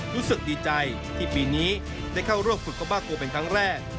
รู้สึกดีใจที่ปีนี้ได้เข้าร่วมฝึกอบบ้าโกเป็นครั้งแรก